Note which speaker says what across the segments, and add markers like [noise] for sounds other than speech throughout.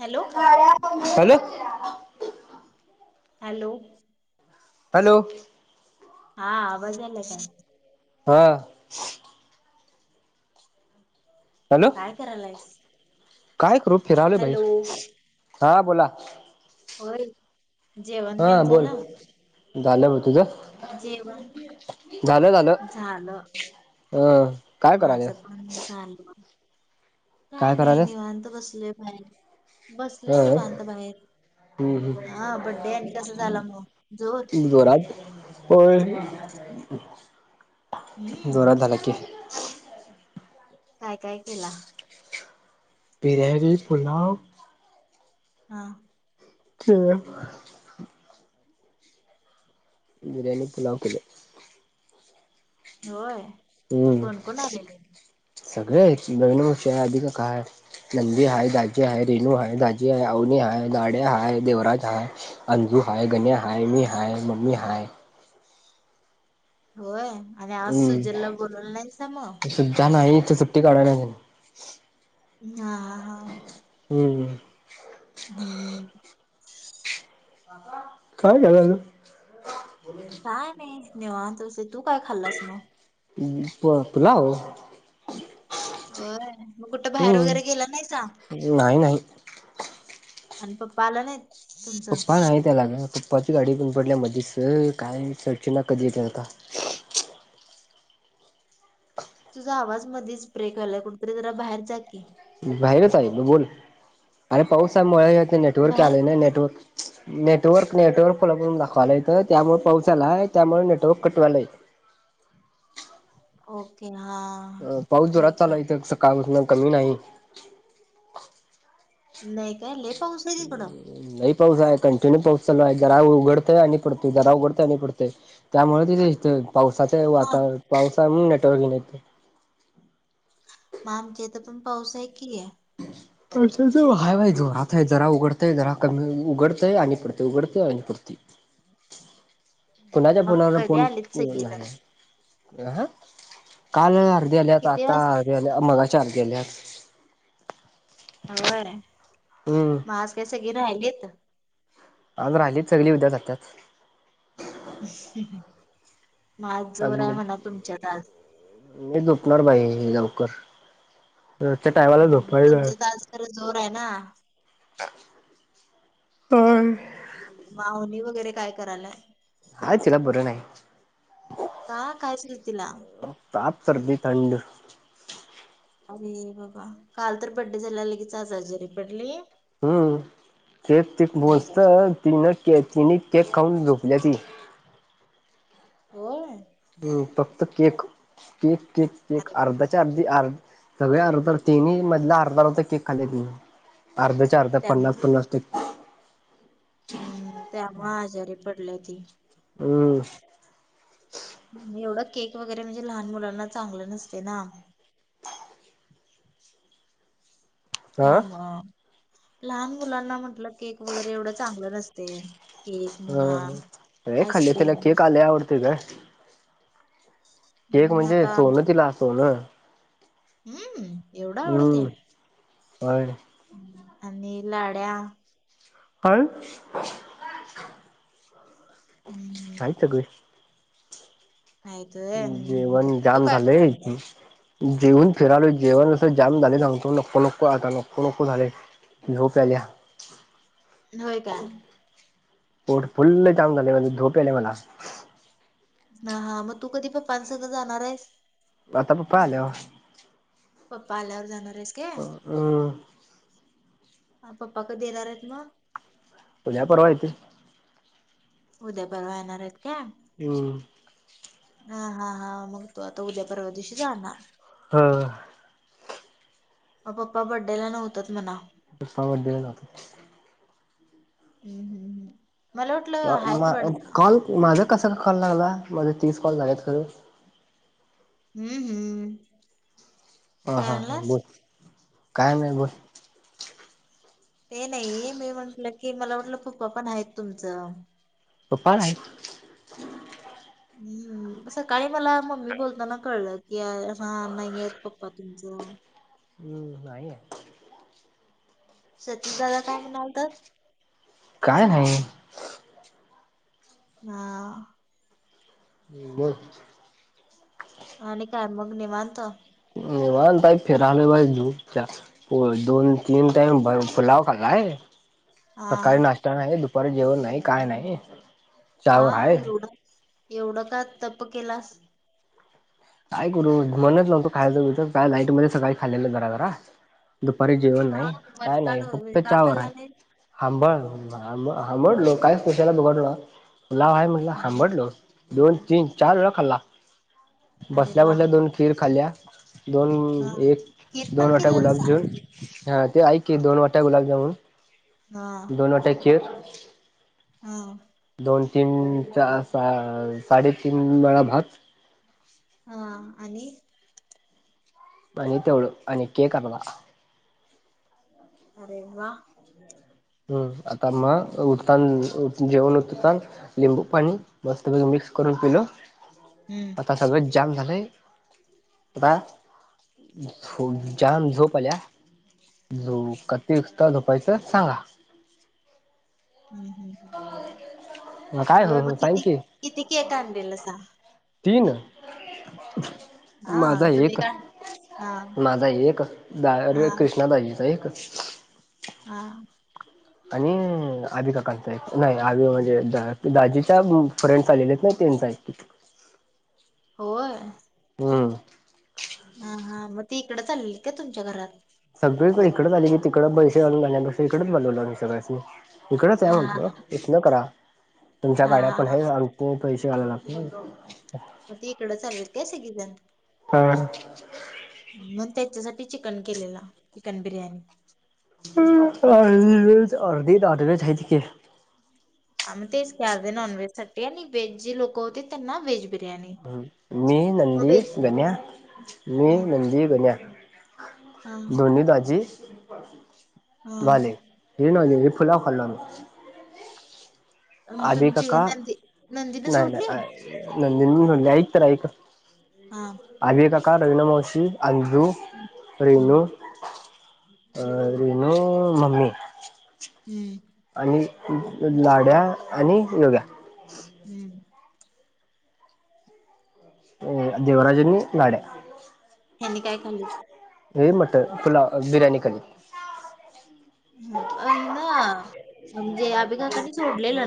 Speaker 1: Hello
Speaker 2: hello.
Speaker 1: Hello.
Speaker 2: Hello.
Speaker 1: हा आवाज येतोय काय
Speaker 2: हा. हॅलो
Speaker 1: काय करायलायस.
Speaker 2: काय करू फिरावले
Speaker 1: हॅलो
Speaker 2: बाईर हा बोला.
Speaker 1: होय जेवण
Speaker 2: हा
Speaker 1: देन
Speaker 2: बोल
Speaker 1: झालं.
Speaker 2: झालं म तुझ
Speaker 1: जेवण
Speaker 2: झालं झालं.
Speaker 1: झालं
Speaker 2: काय करायले
Speaker 1: माझं पण चालू काय नाही निवांत बसलोय बाहेर बसलय निवांत बाहेर हा बड्डे आणि
Speaker 2: हम्म
Speaker 1: कसा झाला मग जोर
Speaker 2: हम् जोरात होय
Speaker 1: हम्म
Speaker 2: जोरात झाला कि
Speaker 1: काय काय केला
Speaker 2: बिरयाणी पुलाव
Speaker 1: हा.
Speaker 2: ठी आहे. बिरयाणीी पुलाव कले
Speaker 1: होय
Speaker 2: हम्म
Speaker 1: कोण कोण आलेले.
Speaker 2: सगळे बगनाष आधी का काय नंदवी हाय दाजी हाय रेनू हाय दाजी आहेय अवनी हाय दाड्या हय देवराज हाय अजी तू हाय गन्या हय मी हय म्मी हाय
Speaker 1: होय आणि आज
Speaker 2: हम्म
Speaker 1: सुजलला बोलला नाही स मग?
Speaker 2: सुद्धा नाही सुट्टी काढून
Speaker 1: हा हा हा.
Speaker 2: हम्म.
Speaker 1: हम्म.
Speaker 2: काय जगा त
Speaker 1: काय नाही निवांत बसले तु काय खाल्लस मग?
Speaker 2: प फुला हो
Speaker 1: होय मग कुठं बाहेर वगैरे गेला नाहीसा
Speaker 2: नाही नाही
Speaker 1: आणि पप्पाला आला नाहीत? तुमचं
Speaker 2: उपान येतला ना पप्पाची गाडी पण पडल्या मध्येच काय चर्चेना कधी येेते आता
Speaker 1: तुझा आवाज मधच ब्रेक आलाय कुठतरी जरा बाहेर जा का
Speaker 2: बाहेरच आहे बोल अरे पाऊसामुळे नेटवर्क
Speaker 1: बाहेर
Speaker 2: केले ना
Speaker 1: कुठतरी
Speaker 2: नेटवर्क नटवर्क नटवर्क खो करून दाखवाला येत त्यामुळे पाऊस आलाय त्यामुळे नेटवर्क कटवालाय
Speaker 1: ओके. हा
Speaker 2: पाऊस जराात
Speaker 1: ठीक
Speaker 2: चालू इथं काम कमी नाही
Speaker 1: नाही काय लेफ्ट
Speaker 2: नाही पाऊस आहे कंटिन्यू पाऊस चालू आहे जरा उघडतय आणि पडतोय जरा उघडतय आणि पडतंय त्यामुळे तिथे पावसाचे
Speaker 1: मग
Speaker 2: वातावरण पावसा म्ह नेटवर्क येइना
Speaker 1: आमच्या इथं पण पाऊसा आहे की आहे?
Speaker 2: हय जोरात आहे जरा उघडतय जरा कमी उघडतय आणि पुडते उघडतय आणि पुडती कोणाच्या
Speaker 1: मग
Speaker 2: फोनवर
Speaker 1: कधी
Speaker 2: फोन
Speaker 1: आलीत सगळीजण
Speaker 2: काल अर्धे आलेत
Speaker 1: किती
Speaker 2: आता
Speaker 1: वाज
Speaker 2: अर्धे आल्या मगाचे आले गेल्यास.
Speaker 1: होय आज काय सगळी राहिलेत
Speaker 2: आज राहिली सगळी उद्या जातातच
Speaker 1: ह
Speaker 2: अ मी झोपणार बाई लवकर रोजच्या टायमाला
Speaker 1: हम्म
Speaker 2: झोपायचं
Speaker 1: तुमचं तर आज ख जोर आहे ना?
Speaker 2: हम्म.
Speaker 1: माऊली वगैरे काय करायला?
Speaker 2: हाय तिला बरं नाही.
Speaker 1: का काय झालं तिला
Speaker 2: साप सर्दी थंड
Speaker 1: अरे बाबा काल तर बड्डे झाला लगेच आज जरी पडली
Speaker 2: हम्म तेच त
Speaker 1: हम्म,
Speaker 2: बसत ती न चिने केक खाऊन झोपल्या ती
Speaker 1: होय.
Speaker 2: ह फक्त केक केक केक केक
Speaker 1: अरे बाबा
Speaker 2: अर्ध्याच्या अर्धी अर् सगळे अर्ध तीन मधला अर्धा रता केक खाल्त अर्ध्याच्या अर्ध्या पन्नास
Speaker 1: त्यामुळं
Speaker 2: पन्नास टक्के
Speaker 1: हम्म त्यामुळे आजारी पडले ती
Speaker 2: हम्म
Speaker 1: एवढं केक वगैरे म्हणजे लहान मुलांना चांगलं नसते ना
Speaker 2: हा
Speaker 1: त्या मूळे लहान मुलांना म्हंटलं केक वगैरे एवढं चांगलं नसतय.
Speaker 2: हं हं लाय खाल्ली तीन केक लय आवडतोय गं. केक
Speaker 1: हम्म,
Speaker 2: म्हणजे
Speaker 1: आता आमच्या
Speaker 2: सोनं तिला सोनं.
Speaker 1: हम्म. एवढं आवडते
Speaker 2: हम्म व्हय.
Speaker 1: हम्म, आणि लाड्या.
Speaker 2: हाय. हैत
Speaker 1: हम्म,
Speaker 2: सगळी.
Speaker 1: आहेत होय. हम्म, हम्म.
Speaker 2: जेवण
Speaker 1: तू
Speaker 2: जाम
Speaker 1: काय
Speaker 2: झालय.
Speaker 1: करायला
Speaker 2: जेवून फिरालोय जेवण अस जाम झालय सांगतो नको नको आता नको नको झालय. झोप येल्या.
Speaker 1: होय काय.
Speaker 2: पोट फुल्ल जाम झालय झोप यायल्या मला.
Speaker 1: हा हा म तू कधी पप्पांसगं जाणार हैस.
Speaker 2: आता पप्पा आल्यावर.
Speaker 1: पप्पा आल्यावर जाणार. आहेस
Speaker 2: हमम..
Speaker 1: आ पप्पा कधी येणार आहेत म?
Speaker 2: उद्या परर्वा येतल.
Speaker 1: उद्या परवा येणार हैत काय.
Speaker 2: हम्.
Speaker 1: हा हा हा मग तू आता उद्या परर्वा दिवशी जाणार.
Speaker 2: हं.
Speaker 1: म पप्पा बड्डे ला नव्हतत म्हणाव.
Speaker 2: [unintelligible] बड्डे झाला.
Speaker 1: हम् हम् हम्.
Speaker 2: मा अ कॉल माझा कसाकाय कॉल लागला माझे तीस कॉल झाल्यात खरं.
Speaker 1: हम् हम्.
Speaker 2: हा हा हा बोल काय नाई बोल.
Speaker 1: ते नाई मी म्हंटलं की मला वाटलं पप्पा पण हैत तुमचं.
Speaker 2: पप्पा नाहीत.
Speaker 1: हम्म सकाळी मला मम्मी बोलताना कळलं की हा नाईत पप्पा तुमचं. हो.
Speaker 2: हम्म नाही हैत.
Speaker 1: सतीश दादा काय म्हणालतात?
Speaker 2: काय नाही.
Speaker 1: हां.
Speaker 2: हमम बोल.
Speaker 1: आणि काय मग निवांत.
Speaker 2: निवांत हाय फिरालोय बाई झोप जास्त होय दोन तीन टाइम बाई पुलाव खाललाय. नाही
Speaker 1: हा
Speaker 2: सकाळी नास्टा नाही दुपारी जेवण नाही काय नाही.
Speaker 1: का
Speaker 2: चहावर आहे
Speaker 1: एवढंच एवढं का तप केलास?
Speaker 2: काय करू मनच नव्हतं खायायचं [unintelligible] काय लाईट मध्ये सकाळी खाल्लेलं जरा जरा. दुपारी जेवण
Speaker 1: का
Speaker 2: नाही काय नाही
Speaker 1: मनकाड
Speaker 2: फक्त
Speaker 1: म्हणजे का
Speaker 2: चावर
Speaker 1: खाल्ला
Speaker 2: हाय
Speaker 1: नाही
Speaker 2: हांबळ हांबळ हांबाळा. हांबडलो काय फुशाला दुघडला लाव हाय म्हटलं
Speaker 1: हम्म.
Speaker 2: हांबडलो. दोन, तीन, चार वेळा खाल्ला
Speaker 1: अरे
Speaker 2: बसल्या
Speaker 1: वा
Speaker 2: बसल्या दोन खीर खाल्ल्या. दोन
Speaker 1: हा
Speaker 2: एक
Speaker 1: खीर
Speaker 2: दोन
Speaker 1: पण
Speaker 2: वाटा
Speaker 1: केलेलं सांग
Speaker 2: गुलाबजामून. हा ते ऐक की दोन वाटा गुलाबजामुन
Speaker 1: हा
Speaker 2: दोन वाट्या खीर
Speaker 1: हा
Speaker 2: दोन, तीन, चार, सा साडेतीन वेळा भात.
Speaker 1: हां आणि.
Speaker 2: अनीत एवळ अन के करमला
Speaker 1: अरे वा
Speaker 2: हम्म आता मग उठता जेवण उठतान लिंबू पाणी मस्त व मि करून केल
Speaker 1: हम्म
Speaker 2: आता सगळ जाम झालंय आता झो जाम झोपल्या झो कतीता झोपायचं सांगा
Speaker 1: हम् हम्
Speaker 2: काय
Speaker 1: ह् मग
Speaker 2: हो सांग
Speaker 1: किती
Speaker 2: की
Speaker 1: किती कि का आणडेल अस
Speaker 2: तीन
Speaker 1: हा
Speaker 2: माझा
Speaker 1: तुम्ही
Speaker 2: एक
Speaker 1: का हा
Speaker 2: माझा एक
Speaker 1: हा
Speaker 2: दरे कृष्णादााजीचा एक
Speaker 1: हा
Speaker 2: आणि आभी काकांचा नाही आभी म्हणजे दाजीच्या फ्रेंडस आलेले ना तेयत
Speaker 1: होय
Speaker 2: हम्म
Speaker 1: हा हा मग ती इकडें चाललेल का तुमच्या घरात?
Speaker 2: सगळीकडे इकचली क तिकडे पैसेण्या इकडेच बलवलंोम्हीगळ्यांनी इकडच आहे
Speaker 1: हा
Speaker 2: म्हंटलं इ न करा तुमच्या
Speaker 1: हा
Speaker 2: गाड्या पण
Speaker 1: हा
Speaker 2: हे पैसे आले लागणार
Speaker 1: मग ते इकडं चालेल काय सगीझन
Speaker 2: हा
Speaker 1: त्याच्यासाठी चिकन केलेला चिकन बिर्याणी
Speaker 2: अ अर्ध अला त क
Speaker 1: आम् तेच काय अधे नॉन व्हेजसाठीठी आणि व्हेज जे लोक होते त्यांना व्हेज बिर्याणी.
Speaker 2: मी
Speaker 1: मग
Speaker 2: नंदी
Speaker 1: व्हेज
Speaker 2: गन्या मी
Speaker 1: हा
Speaker 2: नंदी बन्या
Speaker 1: हा
Speaker 2: दोन्ही दाजी झाले
Speaker 1: हा
Speaker 2: हेले फुलफलन
Speaker 1: तर मग
Speaker 2: आधी
Speaker 1: तुम्ही चि
Speaker 2: काका
Speaker 1: नंदी नंदीन
Speaker 2: नाही
Speaker 1: सोडली?
Speaker 2: नाही नली ऐकत ऐक
Speaker 1: हा
Speaker 2: आ का का रवीना मावशी अंजू
Speaker 1: हम्म
Speaker 2: रेनू अ रनु ममीमी
Speaker 1: हम्म
Speaker 2: आणि लाड्या आणि योगा
Speaker 1: हम्म
Speaker 2: अ देवराजननी लाडा
Speaker 1: हनी काय खाली?
Speaker 2: हे मटर फुला बिर्याणी खली
Speaker 1: ह अना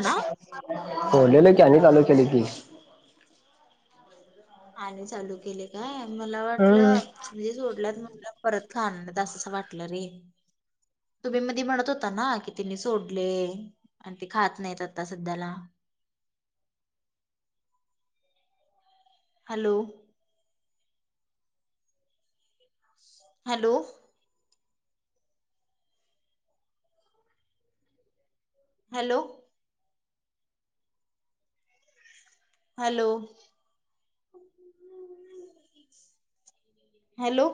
Speaker 1: ना
Speaker 2: बलेलं कीनी चालू केली ती
Speaker 1: आले चालू केले काय मला
Speaker 2: हम्म
Speaker 1: वाटलं म्हणजे सोडल्यात तला परत खाान दास असं वाटलं रे तुम्ही मधी म्हणत होता ना कि तिने सोडले आणि ते खात नाहीत आता सध्याला [inaudible] [inaudible] hello hello hello hello hello